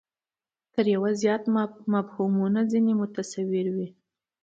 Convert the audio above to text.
تر یوه زیات مفهومونه ځنې متصور وي.